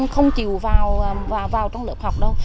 không chịu vào trong lớp học đâu